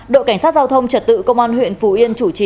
đội cảnh sát giao thông trật tự công an huyện phù yên